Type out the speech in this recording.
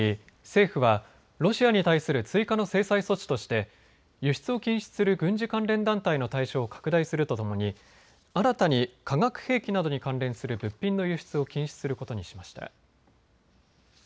政府はロシアに対する追加の制裁措置として輸出を禁止する軍事関連団体の対象を拡大するとともに、新たに化学兵器などに関連する物品の輸出を禁止することにしました。